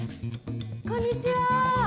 こんにちはー。